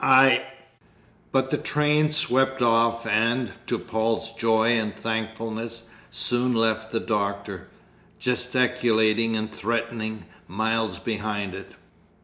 I " But the train swept off and, to Paul's joy and thankfulness, soon left the Doctor, gesticulating and threatening, miles behind it.